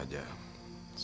kita berdoa saja